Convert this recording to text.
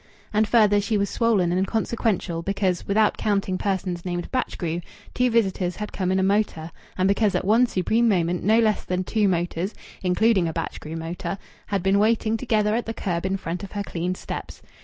And further, she was swollen and consequential because, without counting persons named Batchgrew, two visitors had come in a motor, and because at one supreme moment no less than two motors (including a Batchgrew motor) had been waiting together at the curb in front of her cleaned steps.